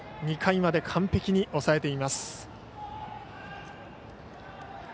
２回まで完璧に抑えています。